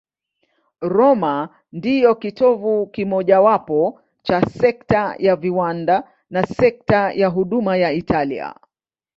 Roma ndiyo kitovu kimojawapo cha sekta ya viwanda na sekta ya huduma ya Italia.